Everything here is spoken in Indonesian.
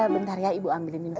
bentar ya ibu ambilin minum gue